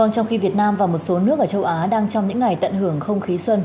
trong khi việt nam và một số nước ở châu á đang trong những ngày tận hưởng không khí xuân